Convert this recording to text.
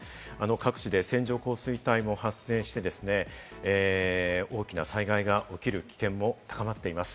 各地で線状降水帯も発生して、大きな災害が起きる危険も高まっています。